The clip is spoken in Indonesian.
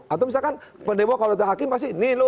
atau misalkan pendemo kalau sudah hakim pasti nih lo budi